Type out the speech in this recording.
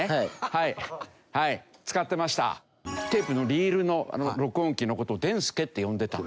テープのリールの録音機の事をデンスケって呼んでたんです。